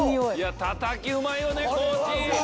たたきうまいよね高知！